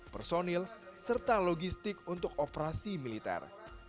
personil serta logistik untuk operasi militer